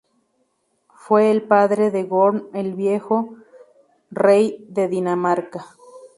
Fue el padre de Gorm el Viejo, rey de Dinamarca.